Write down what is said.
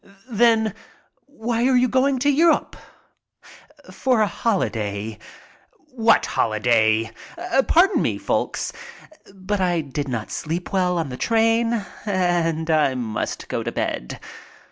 "Then why are you going to Europe?" "For a holiday." "What holiday?" "Pardon me, folks, but I did not sleep well on the train and I must go to bed."